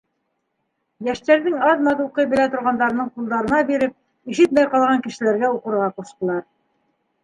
Йәштәрҙең аҙ-маҙ уҡый белә торғандарының ҡулдарына биреп, ишетмәй ҡалған кешеләргә уҡырға ҡуштылар.